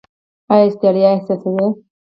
ایا ستړیا احساسوئ؟